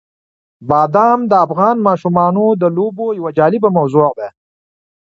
بادام د افغان ماشومانو د لوبو یوه جالبه موضوع ده.